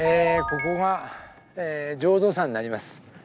ここが浄土山になります。